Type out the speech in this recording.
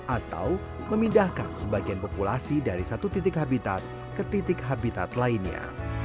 atau memindahkan sebagian populasi dari satu titik habitat ke titik habitat lainnya